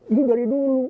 ini dari dulu